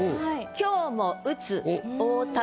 「今日も打つ大谷」。